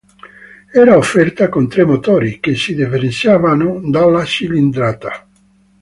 Era offerta con tre motori, che si differenziavano dalla cilindrata.